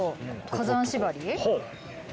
火山縛り。